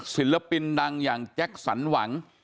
ศิลปินดังอย่างแจ็คสันหวัง